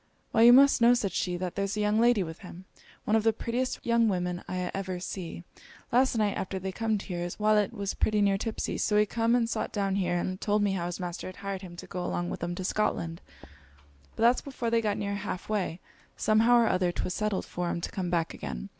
'Why you must know,' said she, 'that there's a young lady with him; one of the prettiest young women I ever see. Last night, after they comed here, his walet was pretty near tipsey; so he come and sot down here, and told me how his master had hired him to go along with 'em to Scotland; but that before they got near half way, somehow or other 'twas settled for 'em to come back again.